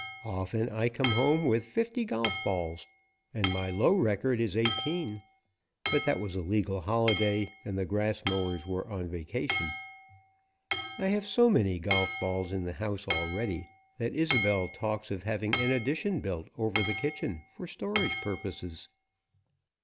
Often I come home with fifty golf balls, and my low record is eighteen but that was a legal holiday and the grass mowers were on vacation. I have so many golf balls in the house already that Isobel talks of having an addition built over the kitchen for storage purposes.